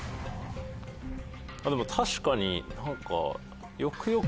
でも確かに何か。